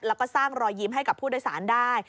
แล้วก็สร้างรอยยิ้มให้กับผู้โดยสารได้